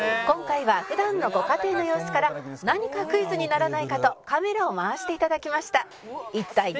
「今回は普段のご家庭の様子から何かクイズにならないかとカメラを回していただきました」